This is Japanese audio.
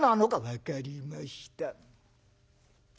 「分かりました」。